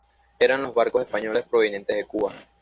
Eran los barcos españoles provenientes de Cuba.